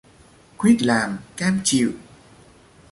Quýt làm cam chịu